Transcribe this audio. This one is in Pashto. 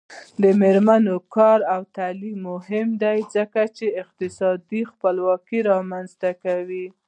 د میرمنو کار او تعلیم مهم دی ځکه چې اقتصادي خپلواکۍ رامنځته کوي.